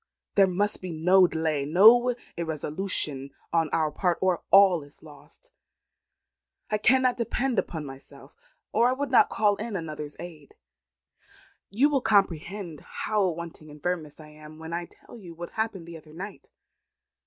There must be no delay, no irresolution on our part, or all is lost. I cannot depend upon myself, or I would not call in another's aid. You will comprehend how wanting in firmness I am, when I tell you what happened the other night.